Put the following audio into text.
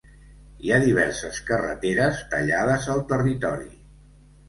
Hi ha diverses carreteres tallades al territori.